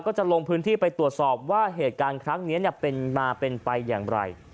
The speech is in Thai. จะลงพื้นที่ไปตรวจสอบว่าเหตุการณ์ครั้งนี้เป็นมาเป็นไปอย่างไร